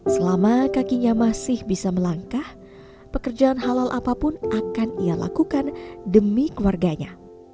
selama kakinya masih bisa melangkah pekerjaan halal apapun akan ia lakukan demi keluarganya